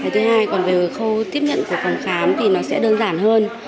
thứ hai còn về khâu tiếp nhận của phòng khám thì nó sẽ đơn giản hơn